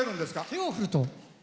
手を振ると。